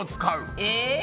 え！